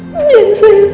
dengan sangat tulus